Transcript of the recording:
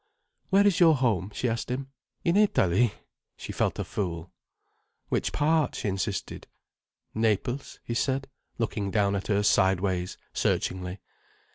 "Where is your home?" she asked him. "In Italy." She felt a fool. "Which part?" she insisted. "Naples," he said, looking down at her sideways, searchingly.